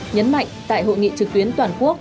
nhấn mạnh tại hội nghị trực tuyến toàn quốc